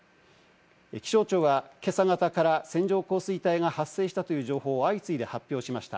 気象庁が今朝方から線状降水帯が発生したという情報を相次いで発表しました。